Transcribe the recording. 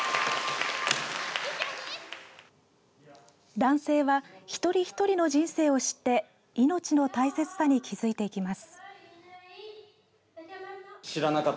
男性は一人一人の人生を知って命の大切さに気付いていきます。